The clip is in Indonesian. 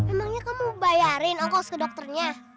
emangnya kamu bayarin ongkos ke dokternya